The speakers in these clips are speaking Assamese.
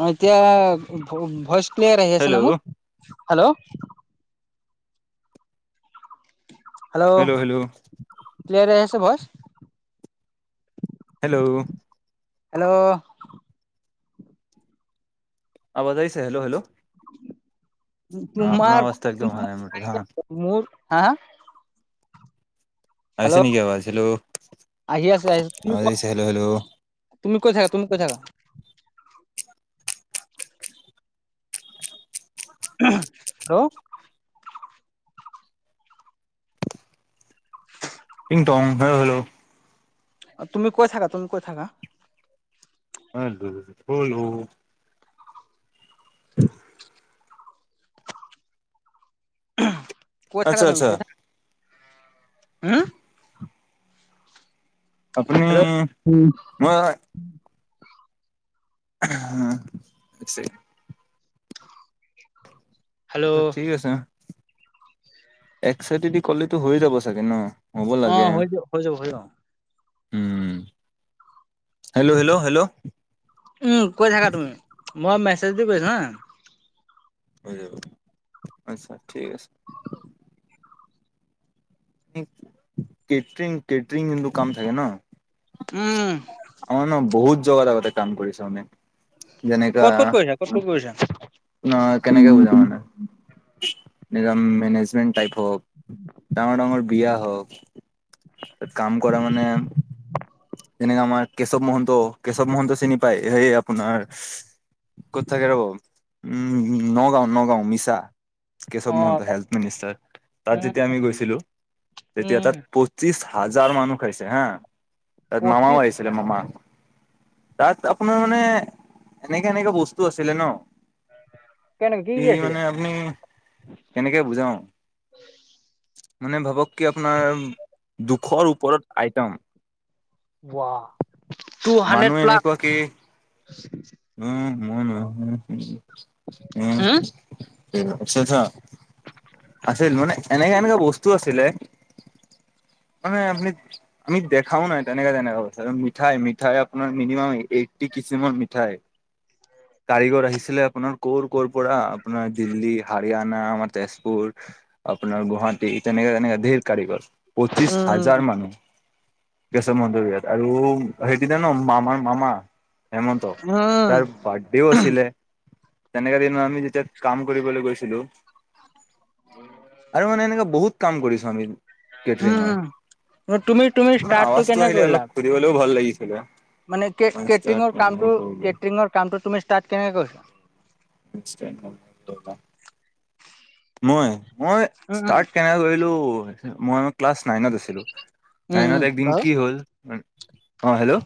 অ এতিয়া ভইচ ক্লিয়াৰ আহি আছে না হেল্ল' মোৰ? হেল্ল'। Hello hello. ক্লিয়াৰ আহি আছে ভইছ। হেল্ল'। হেল্ল'। আবাজ আহিছে হেল্ল-হেল্ল। তোমাৰ আৱাজটো একদম অহা নাই মোৰ তাত হা [inaudible] মোৰ। হা আহিছে হেল্ল' নেকি আৱাজ হেল্ল আহি আছে আহি [inaudible] হেল্ল' হেল্ল'। তুমি কৈ থাকা তুমি ক থাকা। [unintelligible] হেল্ল। [unintelligible] টিংটং hello hello. তুমি কৈ থাকা তুমি কৈ থাকা। [unintelligible] [unintelligible] কৈ আচ্ছা থাকা তুমি আচ্ছা কৈ থাক। হম। আপুনি হেল্ল' মই। [inaudible] ছে। হেল্ল' ঠিক আছে এক চাইটদি ক'লেতো হৈ যাব চাগে ন। হ'ব অ লাগে হৈ যাব, হৈ যাব, হৈ যাব। উম, হেল্ল' হেল্ল' হেল্ল'। উম, কৈ থাকা তুমি মই মেছেজ দি কৈছো হা। [inaudible] আচ্ছা ঠিক আছে। [inaudible] কেট্ৰিং কেট্ৰিং কিনো কাম থাকে ন। উম [inaudible] ন বহুত জগা আগতে কাম কৰিছে মানে। ক'ত ক'ত কৰিছা ক'ত ক'ত কৰিছা। [inaudible] কেনে ভোজাও মানে নিজ মেনেজমটাপ। হওক ডাঙৰ ডাঙৰ বিয়া হওক ত কাম কৰা মানে। যেনেকে আমাৰ কেশৱ মহন্ত কেশৱ মহন্ত চিনি পায় সেই আপোনাৰ। ক'ত থাকে ৰব উম নগাঁও নগাঁও মিছা। কেশৱ অ মহন্ত হেল্থ মিনিষ্টাৰ তাত যেতিয়া উম আমি গৈছিলোঁ। তেতিয়া উম তাট পঁচিছ হাজাৰ মানুহ। খাইছে হা তাত মামাও পঁচিছ আহিছিলে মামা। তাত আপোনাৰ মানে এনেকে এনেকে বস্তু আছিলে ন। কেনেকে কি ই কি আছিলে মানে আপুনি কেনেকে বুজাও। মানে ভাবক কি আপোনাৰ দুখৰ ওপৰত আইটম। ৱাহ। টু হাণ্ড্ৰেড মানুহ প্লাছ এনেকুৱা কি উম। হম [unintelligible] আছিল মানে এনেকা এনেকা বস্তু আছিলে। মানে আপুনি আমি দেখাও নাই তেনেকে তেনেকা বস্তু আছিলে, মিঠাই মিঠ। মিঠাই আপোনাৰ মিনিমাম এইটটি কিছুৰ মিঠাই। কাৰিগৰ আহিছিলে আপোনাৰ ক কৰ'ৰ পৰা আপোনাৰ দিল্লী হাৰিয়ানা আমাৰ তেজপুৰ। আপোনাৰ গুৱাহাটী তেনেকে তেনেকে ধেৰ কাৰিকৰ। পঁচিশ হাজাৰ উম, মানুহ কেশৱ মন্দৰ বিয়াত। আৰু সেইদিনা ন মামাৰ মামা হেমন্ত উম, তাৰ বা। দেও আছিলে তেনেকা দিনত আমি যেতিয়া কাম কৰিবলৈ গৈছিলো। আৰু মানে এনেকা বহুত কাম কৰিছো আমি। কেট্ৰিংৰ উম, তুমি তুমি মানে ষ্টাৰ্টটো আৱাজটো কেনে আহিলে কৰিলা? অলপ সুনিবলৈও ভাল লাগিছে। মানে কেট্ৰিংৰ কাম কেট্ৰিংৰ কামটো তুমি ষ্টাৰট কেনেকে কৈছা। [unintelligible] মই মই উম, উম, স্তাত কেনে কৰিলো মই ক্লাছ নাইনত আছিলো। উম, নাইনত উম, একদিন বাৰু কি হ'ল অ হেল্ল'।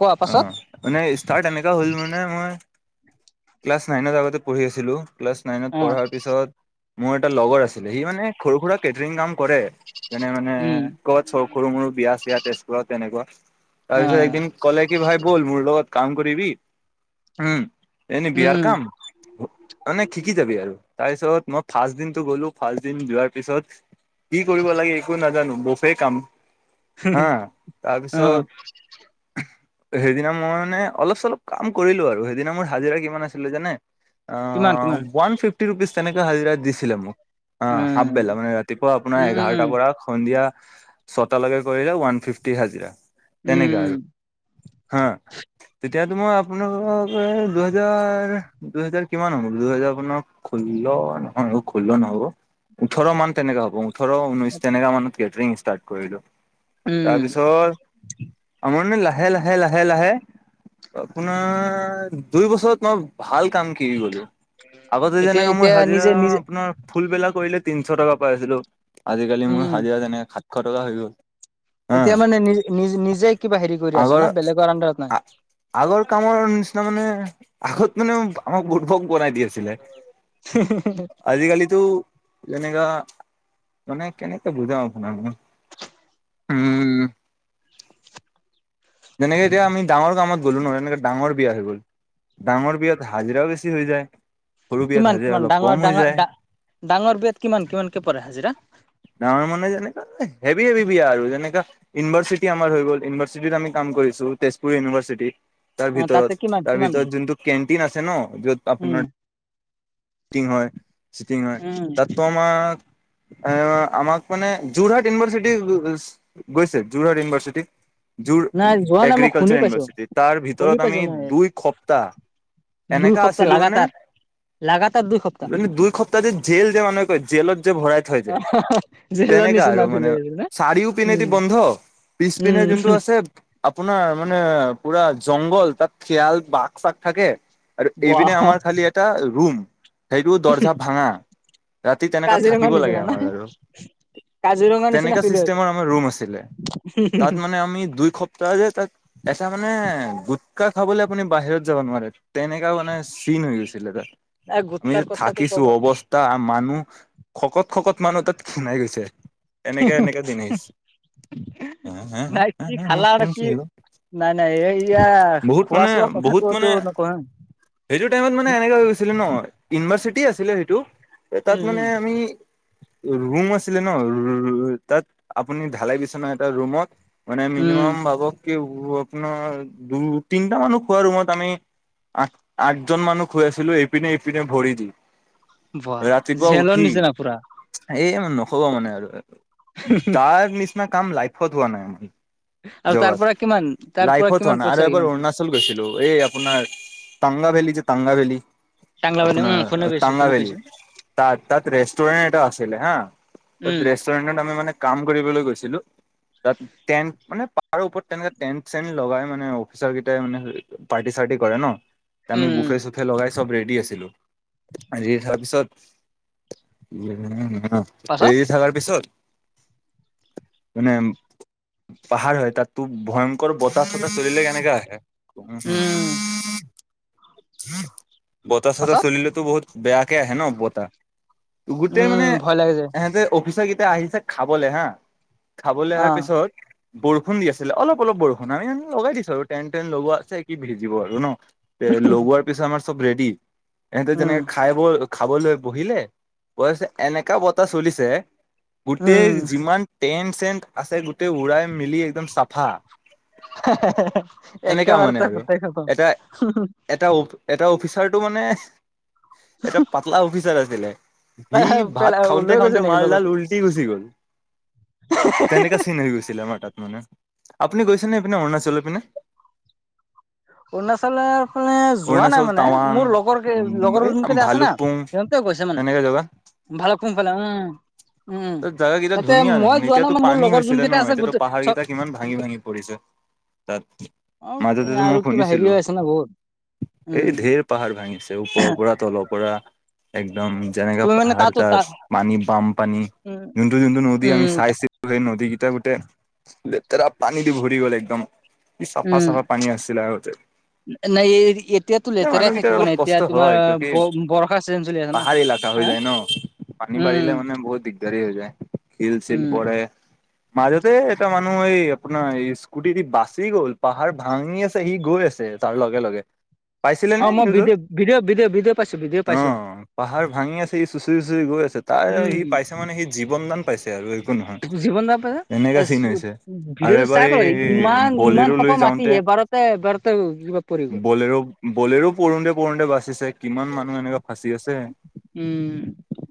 কোৱা অ পাছত মানে ষ্টাৰ্ট এনেকা হ'ল মানে মই। ক্লাছ নাইনত আগতে পঢ়ি আছিলো ক্লাছ নাইনত অ', পঢ়াৰ। পিছত মোৰ এটা লগৰ আছিলে সি মানে সৰু সুৰা কেটাৰং কাম কৰে। যেনে মানে উম, কত চ সৰু মৰু বিয়া চয়া তেজপুৰত তেনেকুৱা। তাৰপিছত অ', একদিন কলে কি ভাই বল মোৰ লগত কাম কৰিবি উম। এনেই উম, বিয়াৰ উম, কাম মানে শিকি যাবি আৰু তাৰ পিছত মই ফাৰ্ষ্ট দিনতটো গ'লো ফাৰ্ষট দিন যোৱাৰ পিছত কি কৰিব লাগে একো নাজানো। বফে কাম হা তাৰপিছত অ', সেইদিনা মই মানে অলপ চলপ কাম কৰিলো আৰু সেইদিনা মোৰ হাজিৰা কিমান আছিলে জানে। অ কিমান কিমান? ওৱান ফিফটি ৰুপিজ তেনেকে হাজিৰা দিছিলে মোক। অ উম, হাপবেলা মানে ৰাতিপুৱা আপোনাৰ উম, উম, উম, এঘাৰটাৰ পৰা সন্ধিয়া। ছতালকে কৰিলে ওৱান ফিফি হাজিৰা। তেনেকা উম। আৰু হা। তেতিয়াতো মই আপোনালোকক এ দুহেজাৰ দুহেজাৰ কিমান হব দুহেজাৰ মানক। খোল্ নহয় খোল্ল নহ'ব ওঠৰ মান তেনেকা হ'ব। থৰ ঊনৈ তেনেকা মানত কেট্ৰিং ষ্টাৰ্ট কৰিলো। উম তাৰপিছত আমনি লাহ। লাহে লাহে লাহে আপোনাৰ দুই বছৰত মই ভাল কাম। কি গলো আগতে এতিয়া যেনেকে মোৰ এতিয়া হাজিৰা নিজে নিজে আপোনাৰ। ফুলবেলা কৰিলে তিনিশ টকা পাই আছিলো আজিকালি মোৰ উম, হাজিৰা যেনেক সাতশ টকা হৈ গ'ল। হা এতিয়া মানে নি নিজ নিজে কিবা হেৰি কৰি আছা আগৰ না বেলেগৰ আণ্ডাৰত নাই। আগৰ কামৰ নিচিনা মানে আগত মানে আমাক বুৰবক বনাই দি আছিলে। আজিকালিটো। যেনেকা মানে কেনেকে বুজাও আপোনাক মই। উম। যেনেকে এতিয়া আম ডাঙৰ কামত। গ'লো নহয় এনেকে ডাঙৰ বিয়া হৈ গ'ল ডাঙৰ বিয়াত হাজিৰাও বেছি হৈ যায়। সৰু বিয়াত কিমান হাজিৰা কিমান অলপ কম ডাঙৰ হৈ ডাঙৰা যায় ডাঙৰ বিয়াত কিমান কিমানক পৰে হাজিৰা। ডাঙৰ মানে যেনে হেভি হেভি বিয়া আৰু যেনেকা ইউনিভাৰ্চিটি আমাৰ হৈ গ'ল ইউনিভাৰ্চিটিত আমি কাম। কৰিছো তেজপুৰ ইউনিভাৰ্চিটি তাৰ অ', তাতে ভিতৰত কিমান তাৰ কিমান ভিতৰত যোনটো কেণ্টিন আছে ন যত উম। আপোনাৰ। টিং হয় চিটিং হয় উম, তাত তো আমাক। এ আমাক মানে যোৰহাট ইউনিভাৰ্চিটি গৈছে যোৰহাট ইউনিভাৰ্চিটি। জোৰ নাই যোৱা নাই মই শুনি এগ্ৰিকালচাৰ পাইছো, ইউনিভাৰ্চিটি তাৰ শুনি ভিতৰত আমি পাইছো মই দুই সপ্তাহ। দুই এনেকা সপ্তাহ আছিলো মানে। লাগাতাৰ। লাগাতাৰ দুই সপ্তাহ দুই সপ্তাহ যে জেল যে মানহ কয় জেলত যে ভৰাই থৈ যে। জেলৰ তেনেকা আৰু নিচিনা ফিল মানে হৈ আছিল না চাৰিও পিনেদি উম, বন্ধ। পিছপিনে উম। যোনটো আছে আপোনাৰ মানে। পুৰা জংঘল তাত খেয়াল বাক চাক থাকে আৰু এইবিনে বাহ আমাৰ খালি এটা। ৰুম সেইটো দৰ্জা ভাঙা ৰাতি তেনেককা কাজিৰঙাৰ থাকিব লাগে নিচিনা না আমাৰ আৰু। কাজিৰঙাৰ নিচিনা তেনেকা ফিল হৈ চিষ্টেমৰ আছিলে। আমাৰ ৰুম আছিলে। তাত মানে আমি দুই সপ্তাহ যে তাত এটা মানে। গুটখা খাবলৈ আপুনি বাহিৰত যাব নোৱাৰে তেনেককা মানে চিন হৈ গৈছিলে। তাত। এই আমি গুটকাৰ যে কথাটো থাকিছো ক'ব অৱস্থা মানুহ। শকত খকত মানুহ তাত খ্ষীণাই গৈছে এনেকে এনেকে দিন আহিছে। নাই কি খালা আৰু কি [unintelligible] নাই নাই এইয়া বহুত খোৱা মানে চোৱা বহুত কথাটোতটো মানে নকোৱা। সেইটো টাইমত মানে এনে হৈ গৈছিলে ন ইউনিভাৰ্চিটি আছিলে সেইটো তাত উম, মানে উম, আমি। ৰুম আছিলে ন তাত আপুনি ঢালাই বিচনা এটা ৰুমত। মানে উম। মিনিমাম বাবককি। আপোনাৰ দু তিনটা মানুহ খোৱাৰ ৰুমত আমি আঠ আঠজন মানুহ খাই আছিলো এই। ইপিনেপিনে ভৰি দি বাহ ৰাতিপুৱ জেলৰ উঠি নিচিনা পুৰা এই। নক'ব মানে আৰু তাৰ নিচিনা কাম লাইফত হোৱা নাই মই। আৰু তাৰ জগাত পৰা কিমান তাৰ পৰা লাইফত হোৱা কিমান নাই আৰু পইচা এবাৰ কিমান পালা? অৰুণাচল গৈছিলো। এই আপোনাৰ টাংলা ভেলি যে টাংলা ভেলী। টাংলা উম, আপোনাৰ শুনি পাইছো টাংলা শুনি বেলি পাইছো তাত তাত ৰেষ্টুৰেণ্ট এটা আছিলে হা। তাত উম, ৰেষ্টুৰেন্টত আমি মানে কাম কৰিবলৈ গৈছিলো। তাত টেন মানে পাহাৰ ওপৰত তেনেকা টেন চেন। লগাই মানে অফিচৰ কেই মানে পাৰ্টি চাৰ্টি কৰে ন আমি উম, উম বুফে চুফে লগাই। চব ৰেডি আছিলো ৰেডি থাৰ পিছত। অ পাছত ৰেডি থকাৰ পিছত। মানে পাহাৰ হয় তাতো ভয়ংকৰ বতাহ চতাহ চলিলে কেনেকা আহে। উম। [inaudible] বত চতাহ পাছত চলিলেেতো বহুত। বেয়াকে আহে ন বতাহ গোটেই মানে উম ভয় লাগে যে এহেঁতে অফিচা। টাইম আহিছে খাবলৈ হা খাবলৈ অ অহাৰ পিছত। বৰষুণ দি আছিলে অলপ অলপ বৰষুণ আমি লগাই দিছো আৰু টেন টেনট লগোৱা আছে কি ভিজিব আৰু ন। তে লগোৱাৰ পিছত আমাৰ চব ৰেডি এহঁতে উম যেনেকে খাই ব। খাবলৈ বহিলে বছে এনেকা বটাহ চলিছে। গোটেই উম যিমান টেণ্ট চেণ্ট আছে গোটেই উৰাই মেলি একদম চাফা। [inaudible] একে এনেকা মানে বাৰতে আৰু গোটেই খটম। এটা এটা এটা অফিচাৰটো মানে এটা পাতলা অফিচাৰ আছিলে। সি তাই ভাত পেলাই খাওঁতে লৈ গৈছে খাওঁতে নেকি মালডাল লগতে উলটি গুচি গল। তেনেকা চিন হৈ গৈছিলে আমাৰ তাত মানে। আপুনি গৈছেনেপিনে অৰুণাচলৰ পিনে। অৰুণাচলৰ পিনে যো। যোৱা নাই অৰুণাচল মানে টাৱাং মোৰ লগৰ কেই উম লগৰ এই যোন কেইটা আছে না ভালুকপুং সিহঁতে গৈছে মানে। তেনেকে ভাল কুমফালে উম। উম ত জোগাকেইটা তাতে ধুনীয়া নখ মই যোৱা নাই এতিয়াতো মানে মোৰ পানী লগৰ যোন হৈছিলে ন কেইটা আছে এতিয়াতো গোটেই পাহাৰ চব কেইটা কিমান ভাঙি ভাঙি পৰিছে। তাত অ মাজতে ত মই আৰু খ। কিবা হেৰি হৈ আছে না বহুত। এই উম ঢেৰ পাহাৰ ভাঙিছে ওপৰৰ পৰা তলৰ পৰা এক। দম যেনেকে তুমি মানে পাহাৰ তাতো তা তাত পানী বাম পানী। উম যোনটো যোনটো নদী উম আমি চাইছিলো সেই নদীকেইটা গোটেই। তে পানী দি ভৰি গ'ল একদম ই চাফা উম চাফা পানী আছিলে আগতে। নাই এতিয়াতো এ লেতেৰাই মানুহকেইটাৰ থাকিব অলপ নাই এতিয়া কষ্ট তোমাৰ হয় কিয় কি ব বৰষা চিজন চলি আছে না পাহাৰী এলেকা হা হৈ যায় ন। পানী বাঢ়িলে উম মানে বহুত দিগদাৰী হৈ যায় শিল চিল উম পৰে। মাজতে এটা মানুহ এই আপোনাৰ এই স্কুটিদি বাচি গ'ল পাহাৰ ভাঙি আছে সি গৈ আছে। তাৰ লগে লগে। পাইছিলে অ নে মই নিউজত ভিডিঅ' ভিডিঅ' ভিডিঅ' ভিডিঅ' পাইছো ভিডিঅ' অ পাইছো পাহাৰ ভাঙি আছে ই চুচৰি চুচৰি। চুচৰি গৈ আছে তাৰ উম সি পাইছে মানে সি জীৱন দান পাইছে। আৰু একো নহয় জীৱন দান এনেকা চিন পাইছে হৈছে আৰু ভিডিঅ'টো এবাৰ চাই এই পালে ইমান বলেৰো ইমান লৈ খপৰ মান। যাওঁতে এবাৰতে এবাৰতে ইমান পৰি গ'ল পৰি গ'ল। হলেৰো পৰোতে পৰোতে বাচিছে কিমান মানুহ এনেকে। ফাঁচি আছে উম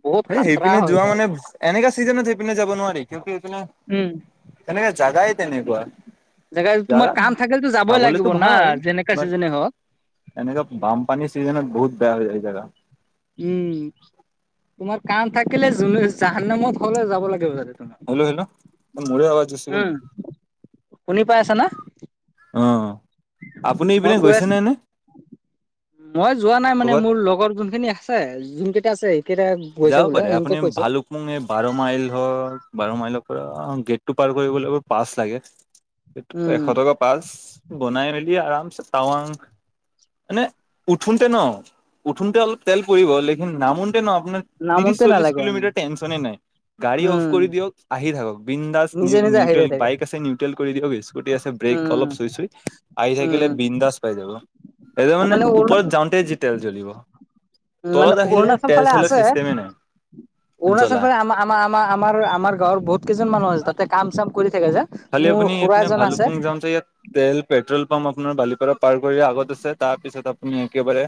বহুত এ খাতৰা সেইপিনে হৈ যোৱা যায় মানে এনেকা। ছিজনত সেইপিনে যাব নোৱাৰি কিন্তু সেইপিনে উম তেনেকা জেগাই তেনেকুৱা। জেগা তোমাৰ জাগাত কাম থাকিলেতো যাবই চাবলেতো লাগিব না যেনেকা চিজনে হওঁক। এনেকাে বানপানীৰ চিজনত বহুত বেয়া হৈ যায় এই জেগা। উম তোমাৰ কাম থাকিলে জুনে জাহান নেমত হ'লেও যাব লাগিব তাতে। তোমাৰ হেল্ল' হেল্ল' ত মোৰে আৱাজ গুচি গ'ল উম নি। শুনি পাই আছা না। অ আপুনি মই এইপিনে কৈ আছো গৈছেনে নে। মই যোৱা নাই মানে ক'বাত মোৰ লগৰ যোনখিনি আছে যোন কেইটা আছে। সেইকেইটা গৈছে যাব বোলে পাৰে সিহঁতে আপুনি কৈছে ভালুকমোংগ বাৰ মাইল হওঁক বাৰ মাইলৰ পৰা অ। গেট টো পাৰ কৰিবলৈ পাচ লাগে উম, এশ টকা পাচ। বনাই মেলি আৰামছে টাৱাং। মানে উঠোঁতে ন উঠোঁতে অলপ তেল পৰিব লেখিন নামনতে ন আপোনাৰ। ত্ৰিশ নামোতে চল্লিশ নালাগে উম, কিলোমিটাৰ টেনচনে নাই গাড়ী অফ উম, কৰি দিয়ক আহি থাকক। বিন্দাছ নিজে নিউ নিজে আহি নিউটেল যাই থাকে। বাইক আছে, নিউট্ৰেল কৰি দিয়ক স্কুটি আছে ব্ৰেক উম, অলপ চুই চুই আহি থাকিলে। উম, বিন্দাছ পাই যাব। এতিয়া মানে ওপৰত যাওঁতে যি তেল জ্বলিব মানে তলত আহিলে অৰুণাচল তেল ফালে চেলৰ আছে। চিষ্টেম। অৰুণাচল ফালে আমাৰ আমাৰ আমাৰ আমাৰ গাঁৱৰ বহুত। কেইজন মানুহ আছে তাতে কাম চাম কৰি থাকে যে। খালি মোৰ আপুনি খুৰা ইপিনে এজন আছে ভালুফুং যামতে তেল, পেট্ৰল। ভাল পাম আপোনাৰ বালিপাৰা পাৰ কৰি আগত আছে তাৰ পিছত আপুনি একেবাৰে।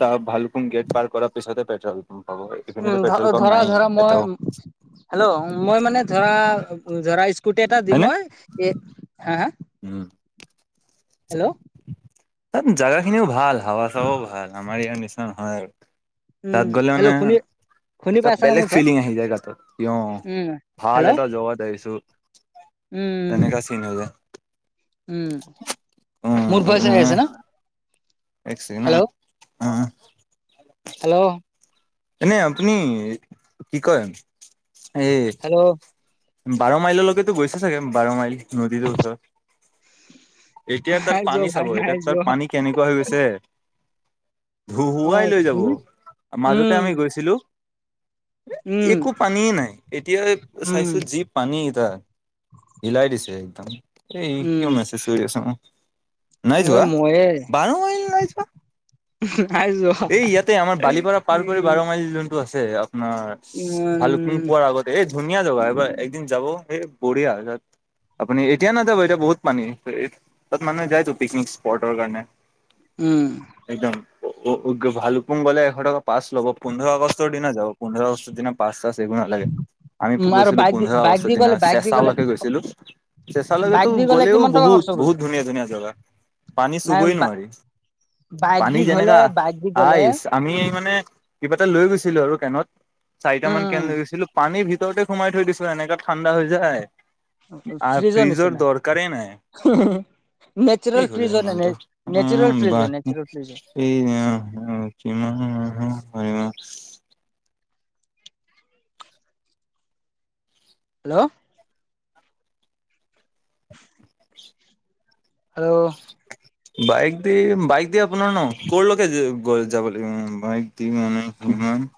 তাৰ ভালুফুং গেট পাৰ কৰাৰ পিছতে পেট্ৰল। পাম্প পাব এইপিনেতো উম পেট্ৰল ধ পাম্প ধৰা নায়েই ধৰা মই এটাও হেল্ল' মই মানে ধৰা ধৰা। পুট এটা দি হয়নে মই এ হা হা। উম। হেল্ল'। তাত জেগা খিনিও ভাল হাৱা চাৱাও ভাল আমাৰ ইয়াৰ নিচিনা নহয় আৰু। তাত উম গ'লে মানে হেল্লো' শুনিয়ে। এটা বেলেগ ফিলিং আহি গাতত উম, ভাল হেল্ল' এটা জেগাত আহিছোঁ। [unintelligible] উম, তেনেকা চিন যায়। উম মোৰ পৰা চাই উম আছে ন। এক চেকেণ্ড হা। হেল্ল' অ হেল্ল'। এনে আপুনি কি কয় এই। হেল্ল' বাৰ মাইললৈকেতো গৈছে চাগে বাৰ মাইল নদীটোৰ ওচৰত। [unintelligible] এতিয়া নাই তাৰ যোৱা পানী ভাই চাব নাই এতিয়া তাৰ যোৱা পানী কেনেকুৱা হৈ গৈছে। অ ধুহুৱাই লৈ যাব তুমি মাজতে উম আমি গৈছিলোঁ। [unintelligible] উম একো পানীয়ে নাই এতিয়া উম চাইছা। যি পানী এটা হিলাই দিছে একদম। এই উম কিয় মেছেজ কৰি আছা নাই এ যোৱা ময়ে বাৰ মাইল নাই যোৱা। [inaudible] নাই যোৱা এই ইয়াতে আমাৰ বালিপাৰা পাৰ কৰি উম বাৰ মাইল যোনটো আছে আপোনাৰ ইমান ভাল পুং পোৱাৰ আগতে। এই ধুনীয়া জেগা। এইবাৰ একদিন যাব এই বঢ়িয়া হয় তাত। আপুনি এতিয়া না [unintelligible] যাব এতিয়া বহুত পানী। তাত মানুহে যাইতো পিকনিক স্পটৰ কাৰণে। উম। অ ভালুপুং গলে এশ টকা পাছ ল'ব। পোন্ধৰ আগষ্টৰ দিনা যাব পোন্ধৰ আগষ্টৰ দিনা পাছ চাচ। দিব নালাগে আমি উম আৰু গৈছিলো। বাইক দি য বাইক বস্তৰ দি দিনা গ'লে বাইক দি গ'লে চেচালকে গৈছিলো। চেচালৈকেতো বাইক দি গ'লে গ'লেও কিমান টকা বহুত। খৰচ বহুত কৰিলো ধুনীয়া ধুনীয়া জেগা। পানী নাই চুবই বা- নোৱাৰি বাইক পানী দি গ'লে যেনেকা বাইক দি গ'লে আইচ। আমি মানে কিবা এটা লৈ গৈছিলো আৰু কেনত চাৰিটা মান কেন উম লৈ গৈছিলো। পানীৰ ভিতৰতে সোমাই থৈ দিছিলো। [unintelligible] এনেকা ঠাণ্ডা হৈ যায় আৰু ফ্ৰিজৰ দৰকাৰেই নাই। কি নেচাৰেল হল ফ্ৰিজ এই হয় নে মানু্টো উ নেচাৰেল ফ্ৰিজ বা হয় নেচাৰেল ফ্ৰিজ হয় এই। অ কিমান? হেল্ল'। হেল্ল'। বাইক দি বাইক দি আপোনাৰ ন? কলৈকে গ যাব লাগিব? মানে সিমান।